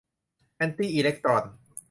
แอนติอิเล็กตรอน